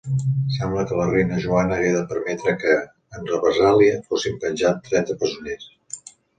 Sembla que la reina Joana hagué de permetre que, en represàlia, fossin penjats trenta presoners.